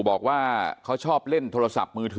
เป็นมีดปลายแหลมยาวประมาณ๑ฟุตนะฮะที่ใช้ก่อเหตุ